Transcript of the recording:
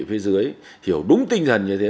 phía dưới hiểu đúng tinh thần như thế